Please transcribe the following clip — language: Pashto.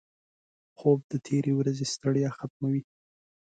خوب د تېرې ورځې ستړیا ختموي